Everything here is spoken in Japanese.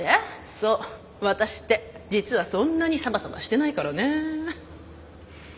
そう私って実はそんなにサバサバしてないからね。